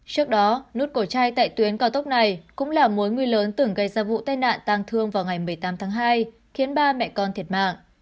trước đó nút cổ chay tại tuyến cao tốc này cũng là mối nguy lớn từng gây ra vụ tai nạn tàng thương vào ngày một mươi tám tháng hai khiến ba mẹ con thiệt mạng